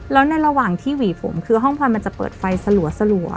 แล้วในระหว่างที่หวีผมคือห้องฟันมันจะเปิดไฟสะหรัวสะหรัว